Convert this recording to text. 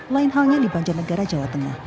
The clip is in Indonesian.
lain halnya di banjarnegara jawa tengah